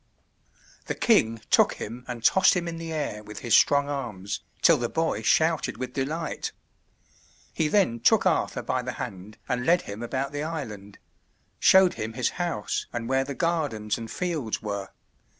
The king took him and tossed him in the air with his strong arms, till the boy shouted with delight. He then took Arthur by the hand and led him about the island showed him his house and where the gardens and fields were.